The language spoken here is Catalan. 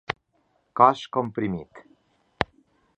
Cos comprimit.